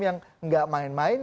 yang gak main main